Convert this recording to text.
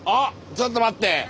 ちょっと待って。